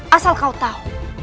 asal kau tahu